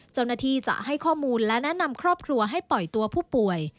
เจ้าหน้าที่จะให้ข้อมูลและแนะนำครอบครัวให้ปล่อยตัวผู้ป่วย